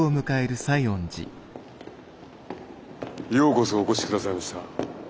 ようこそお越しくださいました。